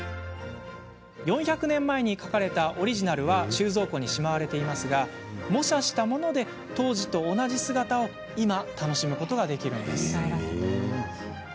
４００年前に描かれたオリジナルは収蔵庫にしまわれていますが模写したもので当時と同じ姿を今、楽しむことができます。